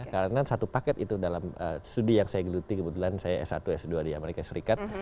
karena satu paket itu dalam studi yang saya geluti kebetulan saya s satu s dua di amerika serikat